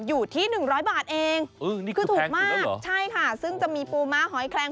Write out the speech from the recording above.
อยู่ที่หนึ่งร้อยบาทเองนี่คือถูกมากใช่ค่ะซึ่งจะมีปูม้าหอยแคลง